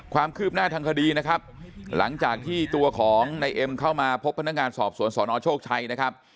ความคืบหน้าทางคดีนะครับหลังจากที่ตัวของนายเอ็มเข้ามาพบพนักงานสอบสวนสนโชคชัยนะครับ